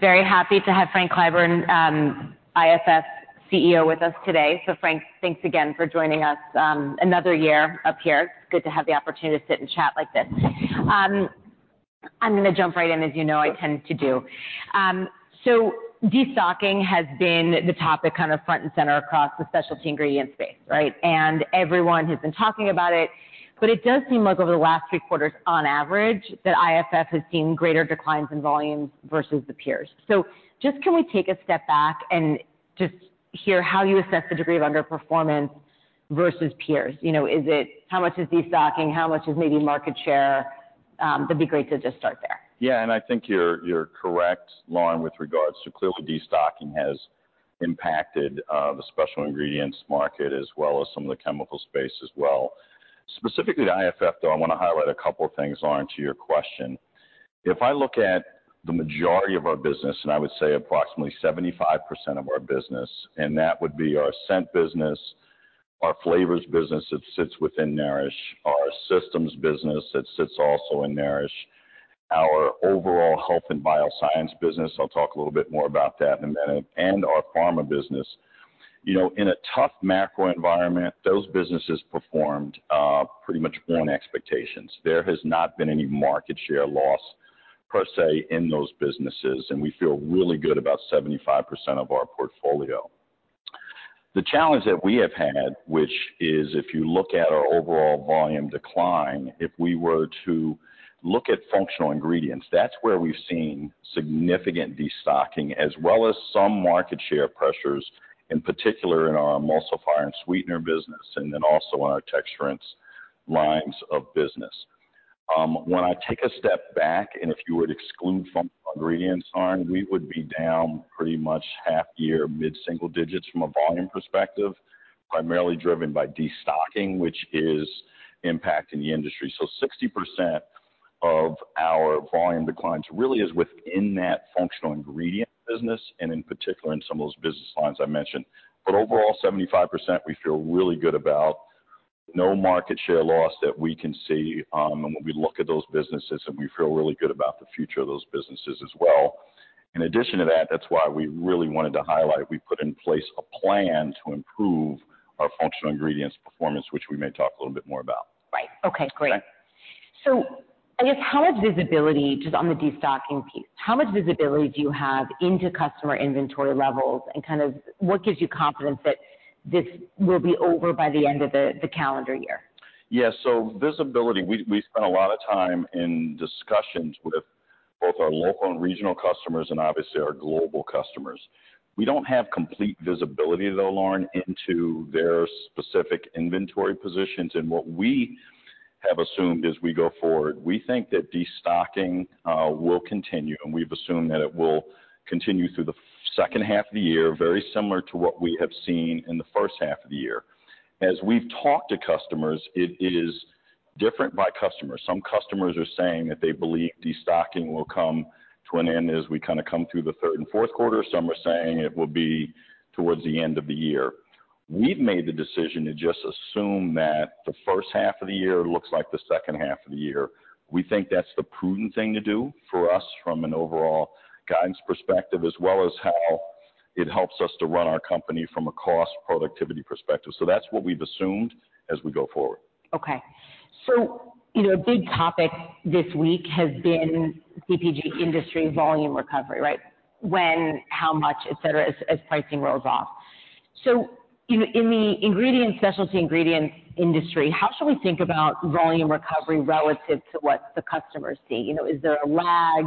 Very happy to have Frank Clyburn, IFF's CEO, with us today. So Frank, thanks again for joining us, another year up here. It's good to have the opportunity to sit and chat like this. I'm gonna jump right in, as you know, I tend to do. So destocking has been the topic kind of front and center across the specialty ingredient space, right? And everyone has been talking about it, but it does seem like over the last three quarters, on average, that IFF has seen greater declines in volumes versus the peers. So just can we take a step back and just hear how you assess the degree of underperformance versus peers? You know, is it how much is destocking? How much is maybe market share? That'd be great to just start there. Yeah, and I think you're, you're correct, Lauren, with regards to clearly destocking has impacted the special ingredients market as well as some of the chemical space as well. Specifically to IFF, though, I want to highlight a couple of things, Lauren, to your question. If I look at the majority of our business, and I would say approximately 75% of our business, and that would be our Scent business, our flavors business that sits within Nourish, our systems business that sits also in Nourish, our overall Health & Biosciences business. I'll talk a little bit more about that in a minute, and our pharma business. You know, in a tough macro environment, those businesses performed pretty much on expectations. There has not been any market share loss per se, in those businesses, and we feel really good about 75% of our portfolio. The challenge that we have had, which is if you look at our overall volume decline, if we were to look at Functional Ingredients, that's where we've seen significant destocking as well as some market share pressures, in particular in our emulsifier and sweetener business, and then also in our Texturants lines of business. When I take a step back, and if you were to exclude Functional Ingredients, Lauren, we would be down pretty much half year, mid-single digits from a volume perspective, primarily driven by destocking, which is impacting the industry. So 60% of our volume declines really is within that functional ingredient business, and in particular in some of those business lines I mentioned. But overall, 75%, we feel really good about. No market share loss that we can see, when we look at those businesses, and we feel really good about the future of those businesses as well. In addition to that, that's why we really wanted to highlight, we put in place a plan to improve our Functional Ingredients performance, which we may talk a little bit more about. Right. Okay, great. Okay. So I guess how much visibility, just on the destocking piece, how much visibility do you have into customer inventory levels? And kind of what gives you confidence that this will be over by the end of the calendar year? Yes. So visibility, we, we spent a lot of time in discussions with both our local and regional customers and obviously our global customers. We don't have complete visibility, though, Lauren, into their specific inventory positions. And what we have assumed as we go forward, we think that destocking will continue, and we've assumed that it will continue through the second half of the year, very similar to what we have seen in the first half of the year. As we've talked to customers, it is different by customers. Some customers are saying that they believe destocking will come to an end as we kind of come through the third and fourth quarter. Some are saying it will be towards the end of the year. We've made the decision to just assume that the first half of the year looks like the second half of the year. We think that's the prudent thing to do for us from an overall guidance perspective, as well as how it helps us to run our company from a cost productivity perspective. So that's what we've assumed as we go forward. Okay. So, you know, a big topic this week has been CPG industry volume recovery, right? When, how much, et cetera, as pricing rolls off. So, you know, in the ingredient, specialty ingredient industry, how should we think about volume recovery relative to what the customers see? You know, is there a lag?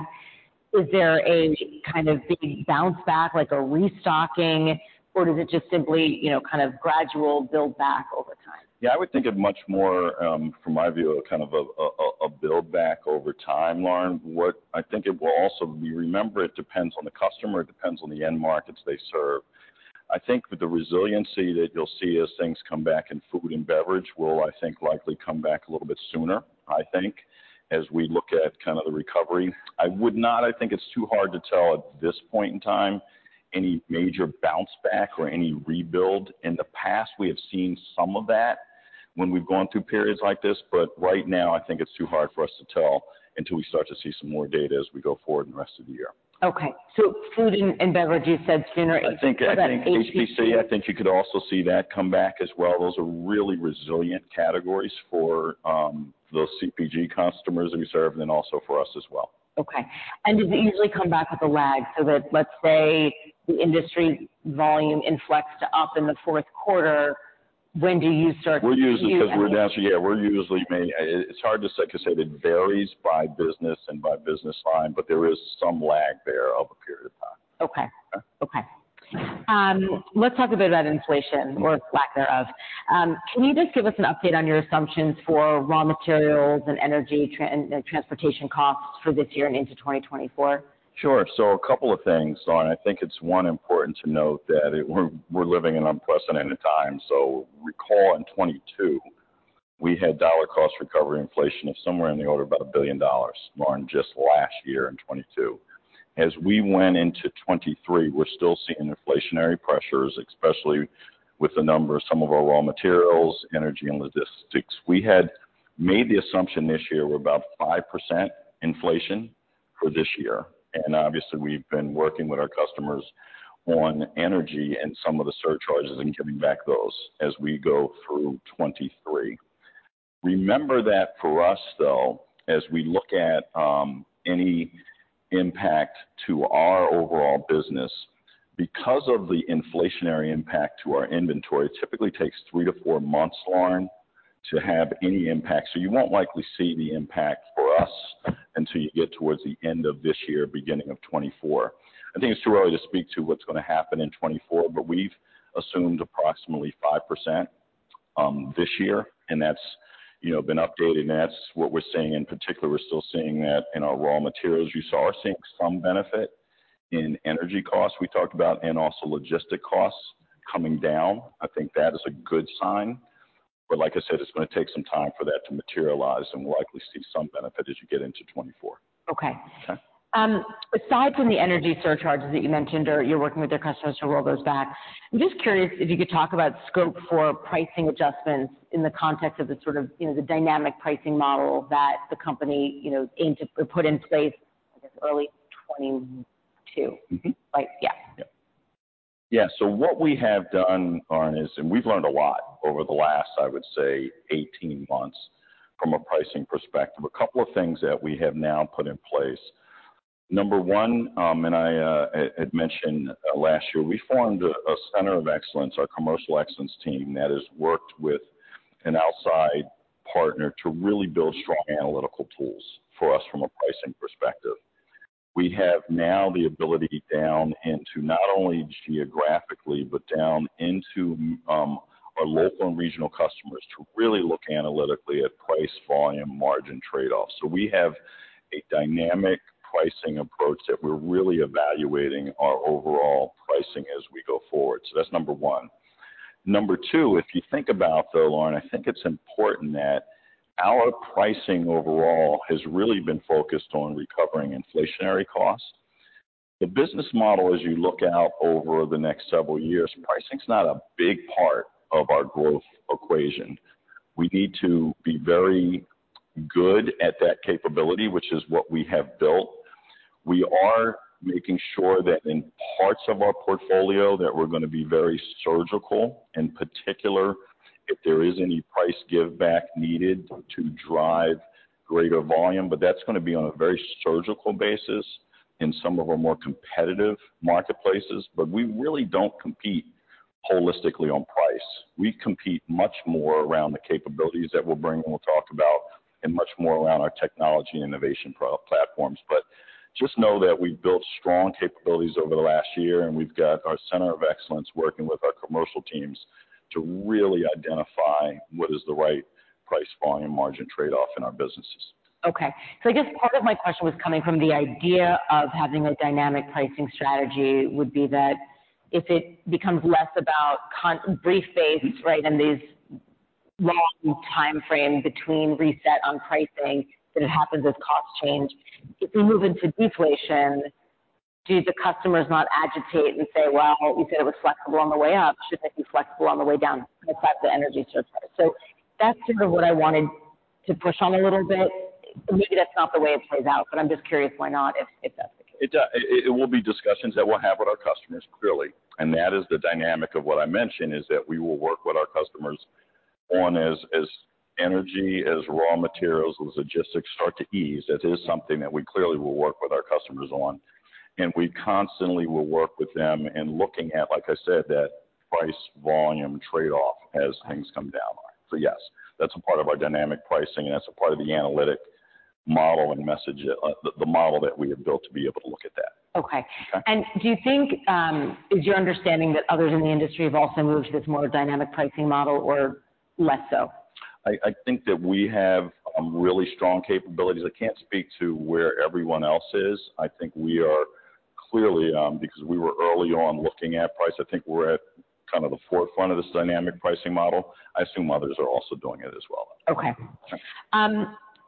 Is there a kind of big bounce back, like a restocking, or is it just simply, you know, kind of gradual build back over time? Yeah, I would think of much more, from my view, a kind of a build back over time, Lauren. What I think it will also be, remember, it depends on the customer, it depends on the end markets they serve. I think that the resiliency that you'll see as things come back in food and beverage will, I think, likely come back a little bit sooner, I think, as we look at kind of the recovery. I would not, I think it's too hard to tell at this point in time, any major bounce back or any rebuild. In the past, we have seen some of that when we've gone through periods like this, but right now I think it's too hard for us to tell until we start to see some more data as we go forward in the rest of the year. Okay, so food and beverage, you said sooner- I think- What about HPC? HPC, I think you could also see that come back as well. Those are really resilient categories for those CPG customers we serve and then also for us as well. Okay, and does it usually come back with a lag? So that, let's say, the industry volume inflected up in the fourth quarter, when do you start to see any- We're usually, because we're down, yeah, we're usually. It's hard to say, 'cause it varies by business and by business line, but there is some lag there of a period of time. Okay. Yeah. Okay. Let's talk a bit about inflation or lack thereof. Can you just give us an update on your assumptions for raw materials and energy and transportation costs for this year and into 2024? Sure. So a couple of things, Lauren. I think it's one important to note that we're living in unprecedented times. So recall in 2022, we had dollar cost recovery inflation of somewhere in the order of about $1 billion, Lauren, just last year in 2022. As we went into 2023, we're still seeing inflationary pressures, especially with the number of some of our raw materials, energy and logistics. We made the assumption this year we're about 5% inflation for this year, and obviously, we've been working with our customers on energy and some of the surcharges and giving back those as we go through 2023. Remember that for us, though, as we look at any impact to our overall business, because of the inflationary impact to our inventory, it typically takes three-four months, Lauren, to have any impact. So you won't likely see the impact for us until you get towards the end of this year, beginning of 2024. I think it's too early to speak to what's going to happen in 2024, but we've assumed approximately 5%, this year, and that's, you know, been updated, and that's what we're seeing. In particular, we're still seeing that in our raw materials. You saw we're seeing some benefit in energy costs we talked about and also logistic costs coming down. I think that is a good sign, but like I said, it's going to take some time for that to materialize, and we'll likely see some benefit as you get into 2024. Okay. Okay. Aside from the energy surcharges that you mentioned, or you're working with your customers to roll those back, I'm just curious if you could talk about scope for pricing adjustments in the context of the sort of, you know, the dynamic pricing model that the company, you know, aimed to put in place in early 2022. Mm-hmm. Like, yeah. Yeah. So what we have done, Lauren, is, and we've learned a lot over the last, I would say 18 months from a pricing perspective, a couple of things that we have now put in place. Number one, and I had mentioned last year, we formed a Center of Excellence, our Commercial Excellence team, that has worked with an outside partner to really build strong analytical tools for us from a pricing perspective. We have now the ability down into, not only geographically, but down into, our local and regional customers, to really look analytically at price, volume, margin trade-offs. So we have a dynamic pricing approach that we're really evaluating our overall pricing as we go forward. So that's number one. Number two, if you think about, though, Lauren, I think it's important that our pricing overall has really been focused on recovering inflationary costs. The business model, as you look out over the next several years, pricing is not a big part of our growth equation. We need to be very good at that capability, which is what we have built. We are making sure that in parts of our portfolio, that we're going to be very surgical, in particular, if there is any price giveback needed to drive greater volume. But that's going to be on a very surgical basis in some of our more competitive marketplaces. But we really don't compete holistically on price. We compete much more around the capabilities that we'll bring, and we'll talk about, and much more around our technology innovation platforms. Just know that we've built strong capabilities over the last year, and we've got our Center of Excellence working with our commercial teams to really identify what is the right price, volume, margin trade-off in our businesses. Okay. I guess part of my question was coming from the idea of having a dynamic pricing strategy would be that if it becomes less about con-- brief phase, right, and these long time frames between reset on pricing, that it happens as costs change. If we move into deflation, do the customers not agitate and say, "Well, you said it was flexible on the way up, shouldn't it be flexible on the way down?" Because that's the energy surplus. That's sort of what I wanted to push on a little bit. Maybe that's not the way it plays out, but I'm just curious why not, if, if that's the case. It does. It will be discussions that we'll have with our customers, clearly, and that is the dynamic of what I mentioned, is that we will work with our customers on, as energy, as raw materials and logistics start to ease. That is something that we clearly will work with our customers on, and we constantly will work with them in looking at, like I said, that price-volume trade-off as things come down. So yes, that's a part of our dynamic pricing, and that's a part of the analytic model and message, the model that we have built to be able to look at that. Okay. Okay? Do you think, is your understanding that others in the industry have also moved to this more dynamic pricing model or less so? I think that we have really strong capabilities. I can't speak to where everyone else is. I think we are clearly because we were early on looking at price, I think we're at kind of the forefront of this dynamic pricing model. I assume others are also doing it as well. Okay. Okay.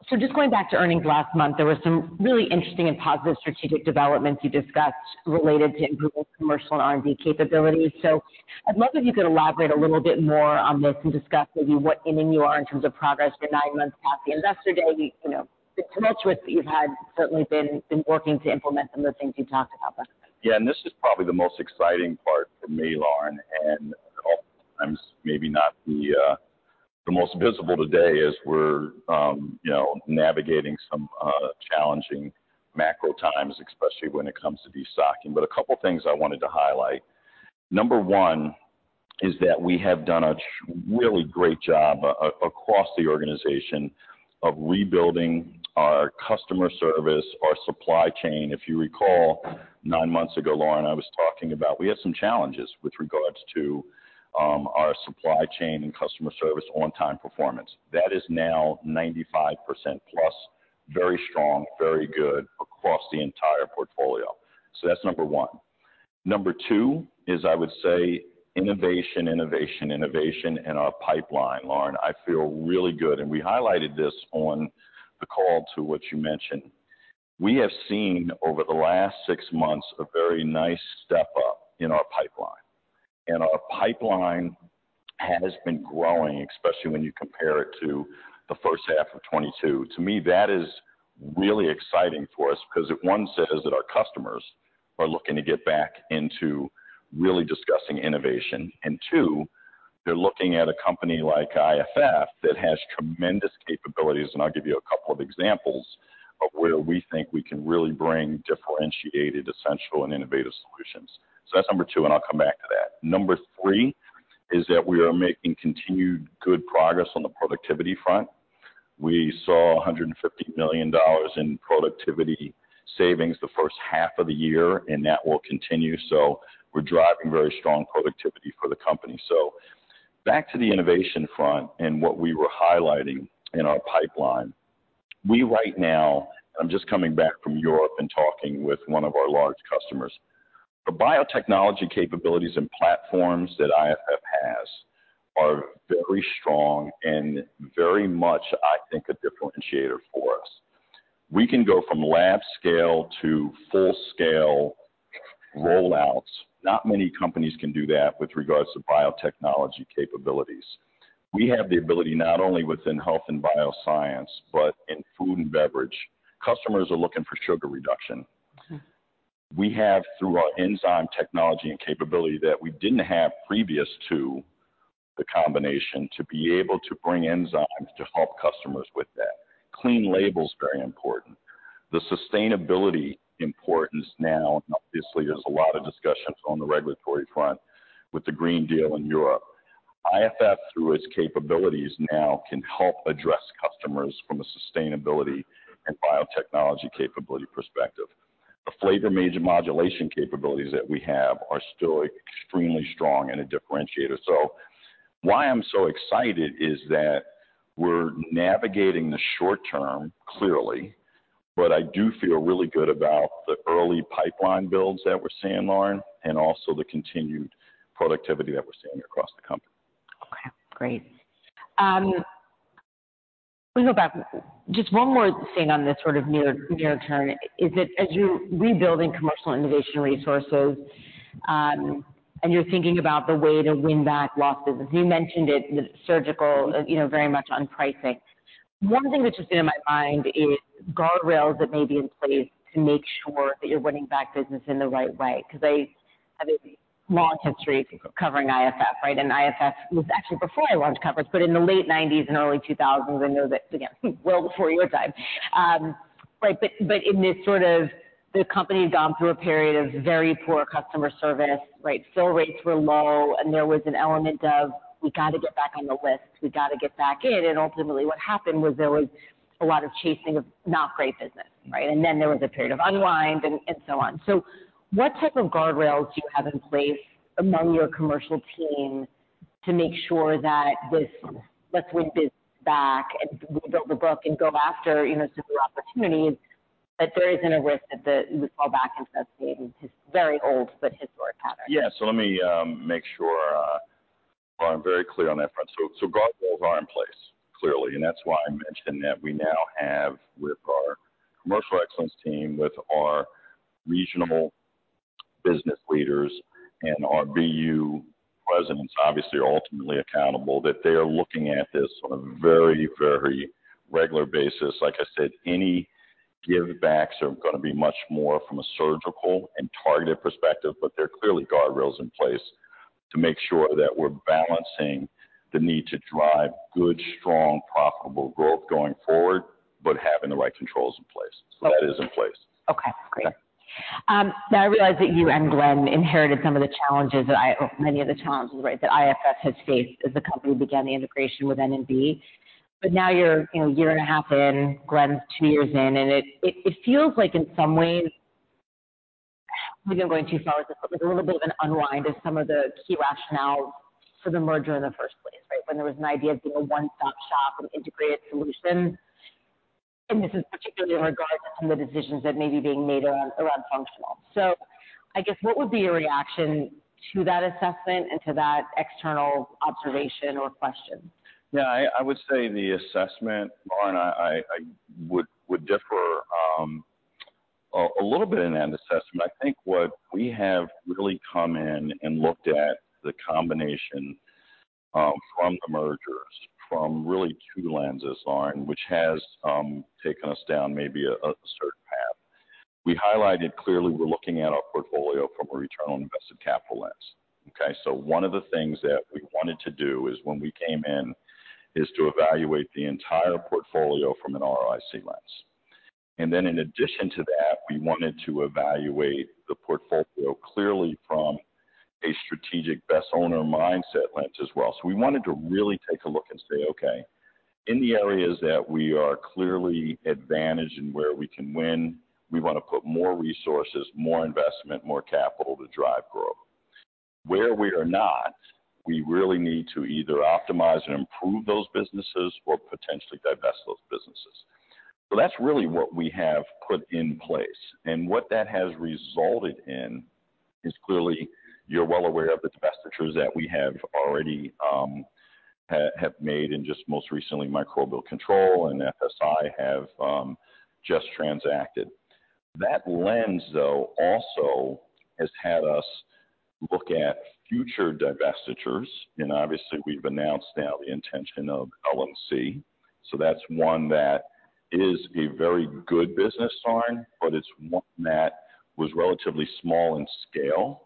So just going back to earnings last month, there were some really interesting and positive strategic developments you discussed related to improving commercial and R&D capabilities. So I'd love if you could elaborate a little bit more on this and discuss maybe what inning you are in terms of progress to nine months past the Investor Day. You know, the tumultuous that you've had certainly been working to implement some of the things you talked about. Yeah, and this is probably the most exciting part for me, Lauren, and oftentimes maybe not the most visible today as we're, you know, navigating some challenging macro times, especially when it comes to destocking. But a couple things I wanted to highlight. Number one is that we have done a really great job across the organization of rebuilding our customer service, our supply chain. If you recall, nine months ago, Lauren, I was talking about we had some challenges with regards to our supply chain and customer service on-time performance. That is now 95% plus. Very strong, very good across the entire portfolio. So that's number one. Number two is, I would say, innovation, innovation, innovation in our pipeline, Lauren. I feel really good, and we highlighted this on the call to what you mentioned. We have seen over the last six months a very nice step up in our pipeline. And our pipeline has been growing, especially when you compare it to the first half of 2022. To me, that is really exciting for us because it, one, says that our customers are looking to get back into really discussing innovation. And two, they're looking at a company like IFF that has tremendous capabilities, and I'll give you a couple of examples of where we think we can really bring differentiated, essential, and innovative solutions. So that's number two, and I'll come back to that. Number three is that we are making continued good progress on the productivity front. We saw $150 million in productivity savings the first half of the year, and that will continue. So we're driving very strong productivity for the company. So back to the innovation front and what we were highlighting in our pipeline. We right now. I'm just coming back from Europe and talking with one of our large customers. The biotechnology capabilities and platforms that IFF has are very strong and very much, I think, a differentiator for us. We can go from lab scale to full-scale rollouts. Not many companies can do that with regards to biotechnology capabilities. We have the ability not only within Health & Bioscience, but in food and beverage. Customers are looking for sugar reduction. We have, through our enzyme technology and capability that we didn't have previous to the combination, to be able to bring enzymes to help customers with that. Clean label is very important. The sustainability importance now, and obviously there's a lot of discussions on the regulatory front with the Green Deal in Europe. IFF, through its capabilities, now can help address customers from a sustainability and biotechnology capability perspective. The flavor modulation capabilities that we have are still extremely strong and a differentiator. So why I'm so excited is that we're navigating the short-term, clearly, but I do feel really good about the early pipeline builds that we're seeing, Lauren, and also the continued productivity that we're seeing across the company. Okay, great. Let me go back. Just one more thing on this sort of near, near term, is that as you're rebuilding commercial innovation resources, and you're thinking about the way to win back lost business, you mentioned it's surgical, you know, very much on pricing. One thing that just came in my mind is guardrails that may be in place to make sure that you're winning back business in the right way, because I have a long history of covering IFF, right? And IFF was actually before I launched coverage, but in the late 1990s and early 2000s, I know that, again, well before your time. But in this sort of the company had gone through a period of very poor customer service, right? Fill rates were low, and there was an element of, "We got to get back on the list, we got to get back in." And ultimately what happened was there was a lot of chasing of not great business, right? And then there was a period of unwind and so on. So what type of guardrails do you have in place among your commercial team to make sure that this, "Let's win this back and rebuild the book and go after, you know, super opportunities," that there isn't a risk that the, we fall back into that maybe very old but historic pattern? Yeah. So let me make sure I'm very clear on that front. So, so guardrails are in place, clearly, and that's why I mentioned that we now have with our Commercial Excellence team, with our regional business leaders and our B.U. presidents, obviously, are ultimately accountable, that they are looking at this on a very, very regular basis. Like I said, any givebacks are going to be much more from a surgical and targeted perspective, but they're clearly guardrails in place to make sure that we're balancing the need to drive good, strong, profitable growth going forward, but having the right controls in place. Okay. That is in place. Okay, great. Yeah. Now I realize that you and Glenn inherited some of the challenges that many of the challenges, right, that IFF had faced as the company began the integration with NMB. But now you're, you know, a year and a half in, Glenn's two years in, and it feels like in some ways, maybe I'm going too far with this, but with a little bit of an unwind of some of the key rationale for the merger in the first place, right? When there was an idea of being a one-stop shop, an integrated solution, and this is particularly in regards to some of the decisions that may be being made around, around functional. So I guess what would be your reaction to that assessment and to that external observation or question? Yeah, I would say the assessment, Lauren, I would differ a little bit in that assessment. I think what we have really come in and looked at the combination from the mergers from really two lenses, Lauren, which has taken us down maybe a certain path. We highlighted clearly we're looking at our portfolio from a return on invested capital lens. Okay, so one of the things that we wanted to do is when we came in, is to evaluate the entire portfolio from an ROIC lens. And then in addition to that, we wanted to evaluate the portfolio clearly from a strategic best owner mindset lens as well. So we wanted to really take a look and say, "Okay, in the areas that we are clearly advantaged and where we can win, we want to put more resources, more investment, more capital to drive growth. Where we are not, we really need to either optimize and improve those businesses or potentially divest those businesses." So that's really what we have put in place, and what that has resulted in is clearly, you're well aware of the divestitures that we have already have made and just most recently, Microbial Control and FSI have just transacted. That lens, though, also has had us look at future divestitures, and obviously, we've announced now the intention of LMC. So that's one that is a very good business line, but it's one that was relatively small in scale,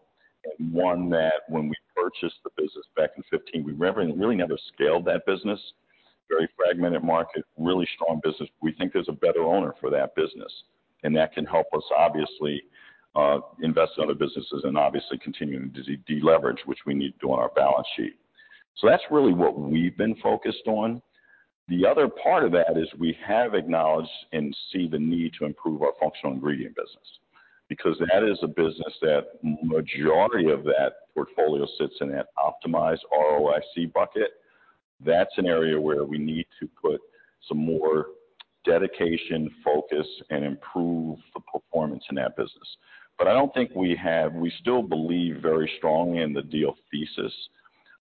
and one that when we purchased the business back in 2015, we never really scaled that business. Very fragmented market, really strong business. We think there's a better owner for that business, and that can help us obviously invest in other businesses and obviously continuing to de-leverage, which we need to do on our balance sheet. So that's really what we've been focused on. The other part of that is we have acknowledged and see the need to improve our functional ingredient business, because that is a business that majority of that portfolio sits in that optimized ROIC bucket. That's an area where we need to put some more dedication, focus, and improve the performance in that business. But I don't think we have—we still believe very strongly in the deal thesis.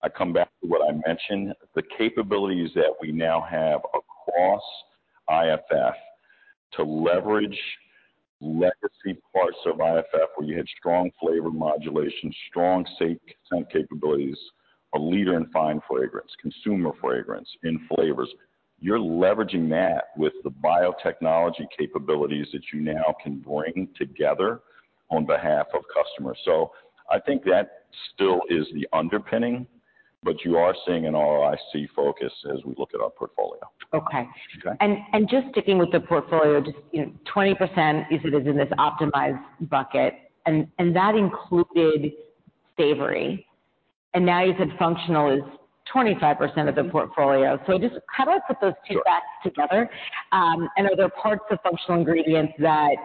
I come back to what I mentioned, the capabilities that we now have across IFF to leverage legacy parts of IFF, where you had strong flavor modulation, strong scent capabilities, a leader in fine fragrance, consumer fragrance and flavors. You're leveraging that with the biotechnology capabilities that you now can bring together on behalf of customers. So I think that still is the underpinning, but you are seeing an ROIC focus as we look at our portfolio. Okay. Okay. Just sticking with the portfolio, just, you know, 20% is, it is in this optimized bucket, and that included Savory, and now you said functional is 25% of the portfolio. So just how do I put those two facts together? And are there parts of Functional Ingredients that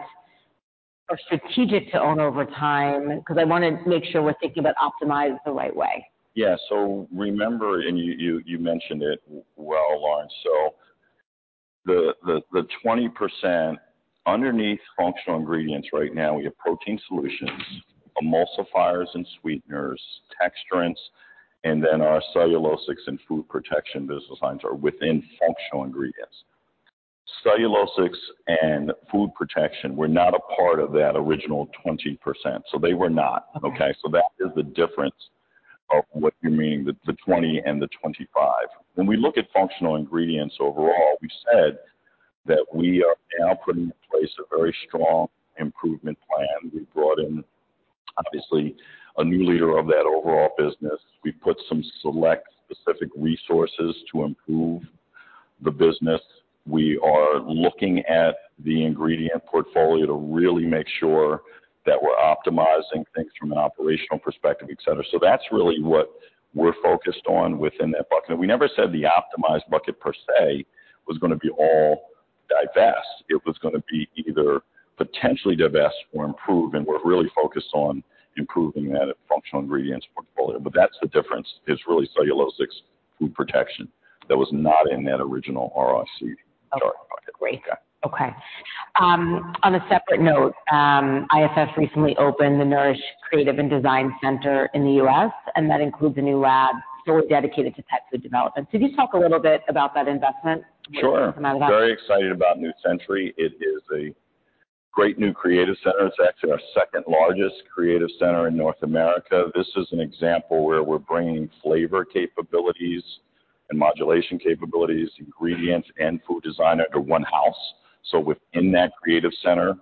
are strategic to own over time? Because I want to make sure we're thinking about optimize the right way. Yeah. So remember, and you mentioned it well, Lauren. So the 20% underneath Functional Ingredients right now, we have Protein Solutions, Emulsifiers and Sweeteners, Texturants, and then our Cellulosics and Food Protection business lines are within Functional Ingredients. Cellulosics and Food Protection were not a part of that original 20%. So they were not, okay? So that is the difference of what you mean, the 20 and the 25. When we look at Functional Ingredients overall, we said that we are now putting in place a very strong improvement plan. We brought in, obviously, a new leader of that overall business. We put some select specific resources to improve the business. We are looking at the ingredient portfolio to really make sure that we're optimizing things from an operational perspective, et cetera. So that's really what we're focused on within that bucket. We never said the optimized bucket per se was gonna be all divest. It was gonna be either potentially divest or improve, and we're really focused on improving that Functional Ingredients portfolio. But that's the difference. It's really Cellulosics Food Protection that was not in that original ROIC. Okay, great. Yeah. Okay. On a separate note, IFF recently opened the Nourish Creative and Design Center in the U.S., and that includes a new lab solely dedicated to pet food development. Could you talk a little bit about that investment? Sure. Very excited about New Century. It is a great new creative center. It's actually our second largest creative center in North America. This is an example where we're bringing flavor capabilities and modulation capabilities, ingredients, and food design under one house. So within that creative center,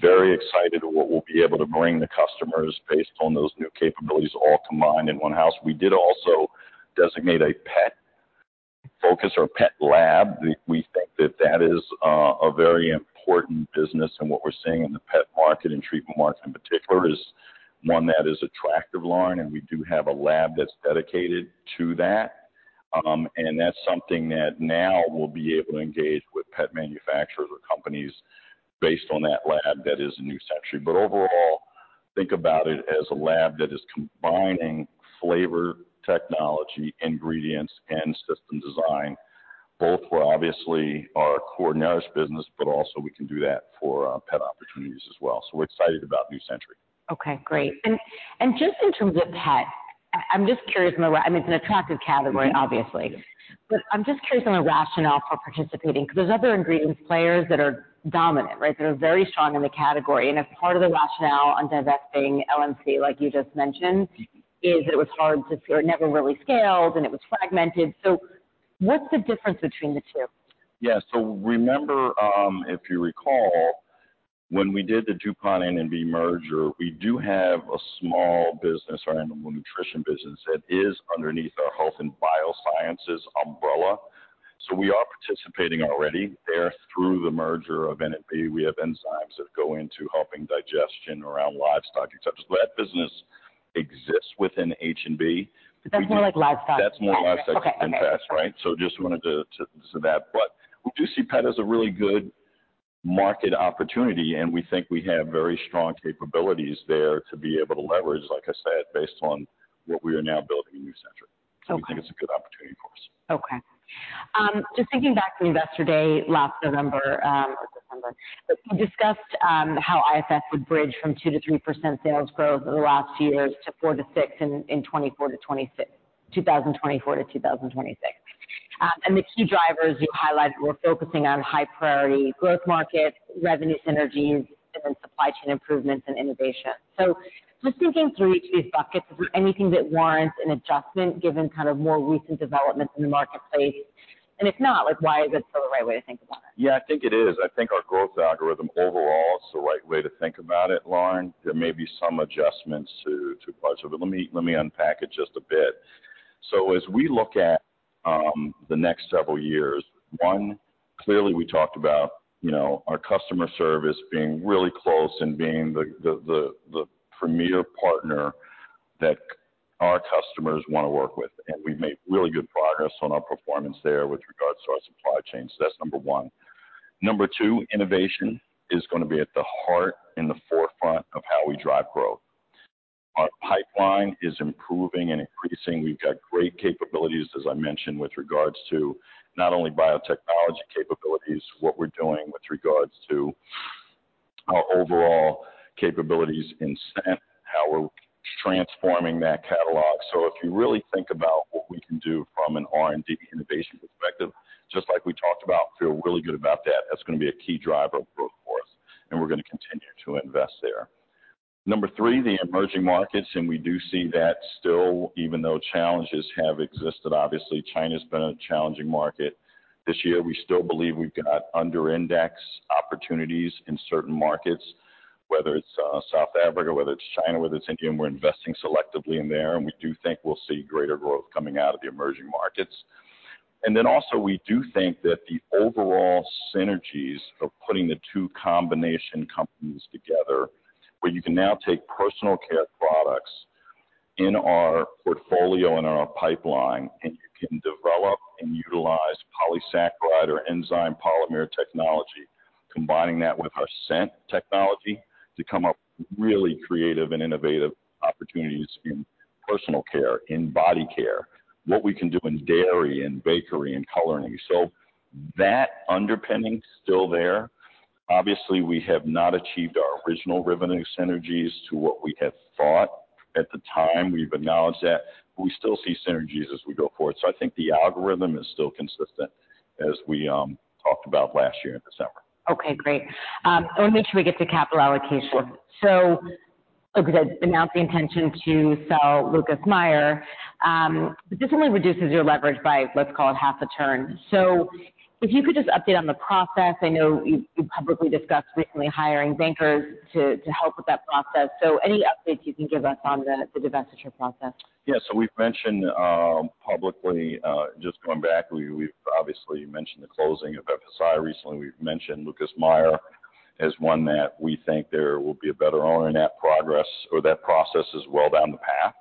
very excited what we'll be able to bring the customers based on those new capabilities all combined in one house. We did also designate a pet focus or pet lab. We think that is a very important business, and what we're seeing in the pet market, and treatment market in particular, is one that is attractive, Lauren, and we do have a lab that's dedicated to that. And that's something that now we'll be able to engage with pet manufacturers or companies based on that lab that is in New Century. But overall, think about it as a lab that is combining flavor, technology, ingredients, and system design, both for obviously our core Nourish business, but also we can do that for pet opportunities as well. So we're excited about New Century. Okay, great. And just in terms of pet, I'm just curious from a rationale—I mean, it's an attractive category, obviously, but I'm just curious on the rationale for participating, because there's other ingredients players that are dominant, right? They're very strong in the category, and as part of the rationale on divesting LMC, like you just mentioned, it was hard to... Or it never really scaled, and it was fragmented. So what's the difference between the two? Yeah. So remember, if you recall, when we did the DuPont N&B merger, we do have a small business, our animal nutrition business, that is underneath our Health & Biosciences umbrella. So we are participating already there through the merger of N&B. We have enzymes that go into helping digestion around livestock, et cetera. So that business exists within H&B. That's more like livestock. That's more livestock, right? Okay. So just wanted to that, but we do see pet as a really good market opportunity, and we think we have very strong capabilities there to be able to leverage, like I said, based on what we are now building in New Century. Okay. We think it's a good opportunity for us. Okay. Just thinking back to Investor Day, last November, or December, you discussed how IFF would bridge from 2%-3% sales growth over the last few years to 4%-6% in 2024-2026. And the key drivers you highlighted were focusing on high-priority growth markets, revenue synergies, and then supply chain improvements and innovation. So just thinking through each of these buckets, is there anything that warrants an adjustment, given kind of more recent developments in the marketplace? And if not, like, why is it still the right way to think about it? Yeah, I think it is. I think our growth algorithm overall is the right way to think about it, Lauren. There may be some adjustments to parts of it. Let me unpack it just a bit. So as we look at the next several years, one, clearly, we talked about, you know, our customer service being really close and being the premier partner that our customers want to work with. And we've made really good progress on our performance there with regards to our supply chain. So that's number one. Number two, innovation is gonna be at the heart and the forefront of how we drive growth. Our pipeline is improving and increasing. We've got great capabilities, as I mentioned, with regards to not only biotechnology capabilities, what we're doing with regards to our overall capabilities in scent, how we're transforming that catalog. So if you really think about what we can do from an R&D innovation perspective, just like we talked about, feel really good about that. That's gonna be a key driver of growth for us, and we're gonna continue to invest there. Number three, the emerging markets, and we do see that still, even though challenges have existed. Obviously, China's been a challenging market this year. We still believe we've got under index opportunities in certain markets, whether it's South Africa, whether it's China, whether it's India, and we're investing selectively in there, and we do think we'll see greater growth coming out of the emerging markets. Then also, we do think that the overall synergies of putting the two combination companies together, where you can now take personal care products in our portfolio, in our pipeline, and you can develop and utilize polysaccharide or enzyme polymer technology, combining that with our scent technology to come up with really creative and innovative opportunities in personal care, in body care, what we can do in dairy and bakery and coloring. So that underpinning is still there. Obviously, we have not achieved our original revenue synergies to what we had thought at the time. We've acknowledged that, but we still see synergies as we go forward. So I think the algorithm is still consistent, as we talked about last year in December. Okay, great. Let me make sure we get to capital allocation. Sure. So you announced the intention to sell Lucas Meyer. This only reduces your leverage by, let's call it, half a turn. So if you could just update on the process. I know you publicly discussed recently hiring bankers to help with that process. So any updates you can give us on the divestiture process? Yeah. So we've mentioned publicly, just going back, we've obviously mentioned the closing of FSI recently. We've mentioned Lucas Meyer as one that we think there will be a better owner, and that progress or that process is well down the path,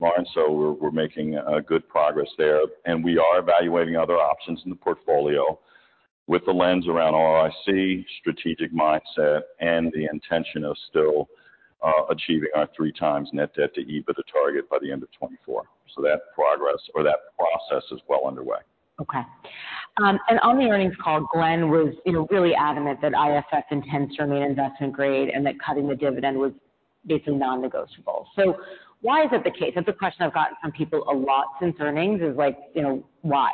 Lauren, so we're making good progress there. And we are evaluating other options in the portfolio with the lens around ROIC, strategic mindset, and the intention of still achieving our 3x net debt to EBITDA target by the end of 2024. So that progress or that process is well underway. Okay. And on the earnings call, Glenn was, you know, really adamant that IFF intends to remain investment grade and that cutting the dividend was basically non-negotiable. So why is that the case? That's a question I've gotten from people a lot since earnings is like, you know, why?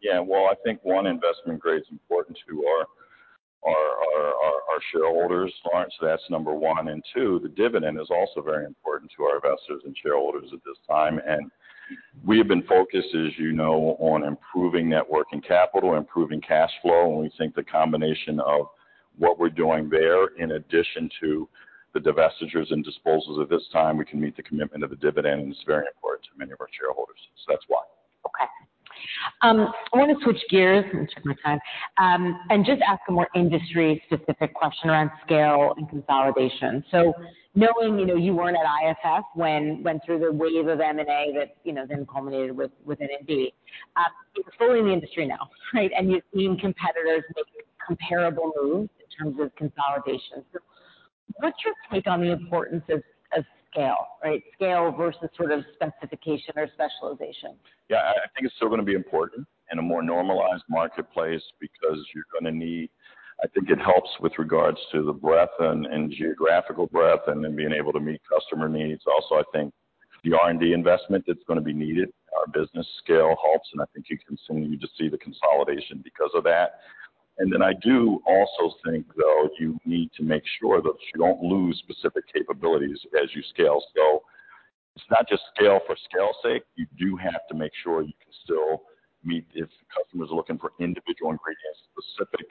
Yeah. Well, I think, one, investment grade is important to our shareholders, Lauren, so that's number one. And two, the dividend is also very important to our investors and shareholders at this time. And we have been focused, as you know, on improving Net Working Capital, improving cash flow, and we think the combination of what we're doing there, in addition to the divestitures and disposals at this time, we can meet the commitment of the dividend, and it's very important to many of our shareholders. So that's why. Okay. I want to switch gears and check my time, and just ask a more industry-specific question around scale and consolidation. So knowing, you know, you weren't at IFF when it went through the wave of M&A that, you know, then culminated with the DuPont. You're fully in the industry now, right? And you've seen competitors making comparable moves in terms of consolidation. So what's your take on the importance of, of scale, right? Scale versus sort of specification or specialization? Yeah, I think it's still gonna be important in a more normalized marketplace because you're gonna need... I think it helps with regards to the breadth and geographical breadth and then being able to meet customer needs. Also, I think the R&D investment. It's gonna be needed. Our business scale helps, and I think you continue to see the consolidation because of that. And then I do also think, though, you need to make sure that you don't lose specific capabilities as you scale. So it's not just scale for scale's sake. You do have to make sure you can still meet, if customers are looking for individual ingredients, specific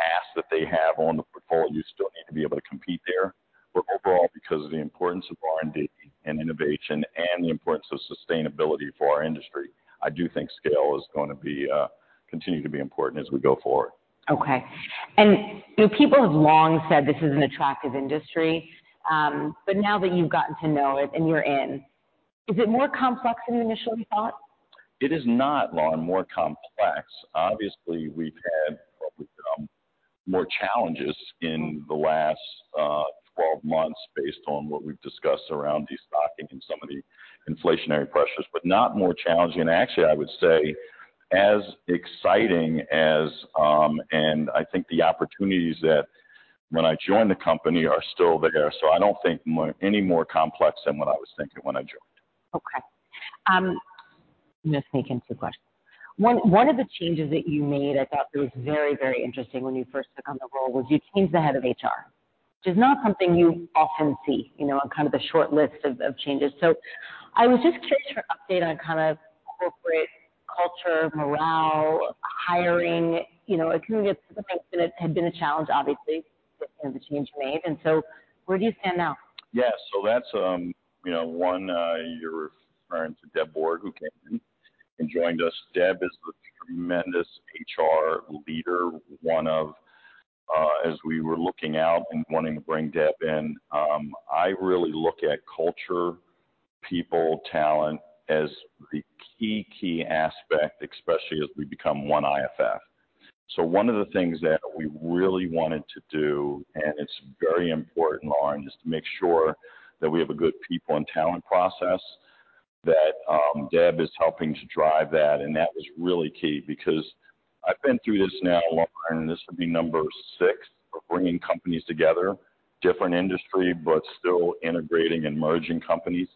asks that they have on the portfolio, you still need to be able to compete there. But overall, because of the importance of R&D and innovation and the importance of sustainability for our industry, I do think scale is gonna be continue to be important as we go forward. Okay. People have long said this is an attractive industry, but now that you've gotten to know it and you're in, is it more complex than you initially thought? It is not, Lauren, more complex. Obviously, we've had more challenges in the last 12 months based on what we've discussed around destocking and some of the inflationary pressures, but not more challenging. Actually, I would say as exciting as, and I think the opportunities when I joined the company are still there. So I don't think more, any more complex than what I was thinking when I joined. Okay. Just thinking through questions. One of the changes that you made, I thought was very, very interesting when you first took on the role, was you changed the head of HR, which is not something you often see, you know, on kind of the short list of changes. So I was just curious for an update on kind of corporate culture, morale, hiring, you know, had been a challenge, obviously, and the change you made, and so where do you stand now? Yes. So that's, you know, one, you're referring to Deb Borg, who came in and joined us. Deb is a tremendous HR leader, one of, as we were looking out and wanting to bring Deb in, I really look at culture, people, talent as the key, key aspect, especially as we become one IFF. So one of the things that we really wanted to do, and it's very important, Lauren, just to make sure that we have a good people and talent process, that Deb is helping to drive that. And that was really key because I've been through this now, Lauren, this will be number six, of bringing companies together, different industry, but still integrating and merging companies.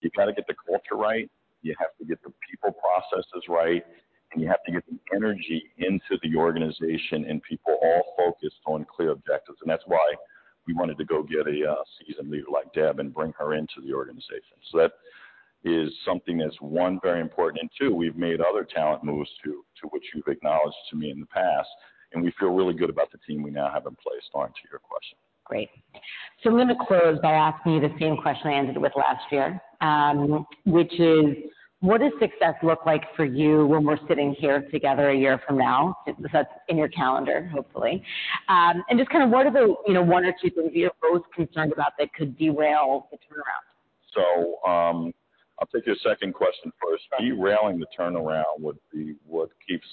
You got to get the culture right. You have to get the people processes right, and you have to get the energy into the organization, and people all focused on clear objectives. And that's why we wanted to go get a seasoned leader like Deb and bring her into the organization. So that is something that's, one, very important, and two, we've made other talent moves too, to which you've acknowledged to me in the past, and we feel really good about the team we now have in place, Lauren, to your question. Great. So I'm going to close by asking you the same question I ended with last year, which is: What does success look like for you when we're sitting here together a year from now? If that's in your calendar, hopefully. And just kind of what are the, you know, one or two things you're most concerned about that could derail the turnaround? So, I'll take your second question first. Derailing the turnaround would be what keeps,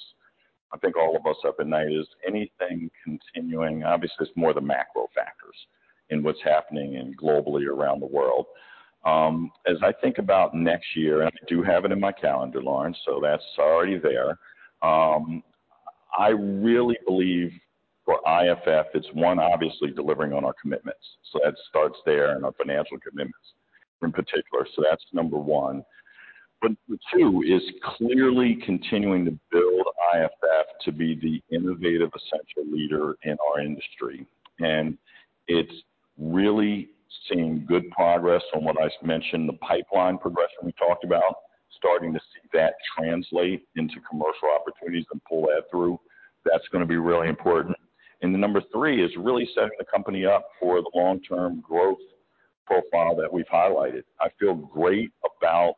I think, all of us up at night, is anything continuing... Obviously, it's more the macro factors in what's happening and globally around the world. As I think about next year, and I do have it in my calendar, Lauren, so that's already there. I really believe for IFF, it's one, obviously delivering on our commitments, so that starts there, and our financial commitments in particular. So that's number one. But two, is clearly continuing to build IFF to be the innovative, essential leader in our industry. And it's really seeing good progress on what I mentioned, the pipeline progression we talked about, starting to see that translate into commercial opportunities and pull that through. That's going to be really important. The number three is really setting the company up for the long-term growth profile that we've highlighted. I feel great about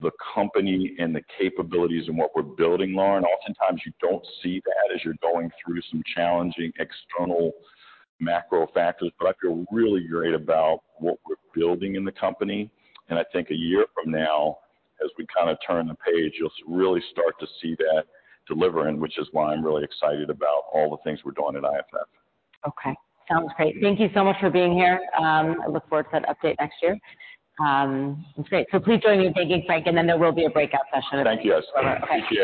the company and the capabilities and what we're building, Lauren. Oftentimes, you don't see that as you're going through some challenging external macro factors, but I feel really great about what we're building in the company. I think a year from now, as we kinda turn the page, you'll really start to see that delivering, which is why I'm really excited about all the things we're doing at IFF. Okay. Sounds great. Thank you so much for being here. I look forward to that update next year. Great. So please join me in thanking Frank, and then there will be a breakout session. Thank you, guys. I appreciate it.